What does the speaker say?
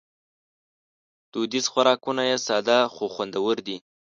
دودیز خوراکونه یې ساده خو خوندور دي.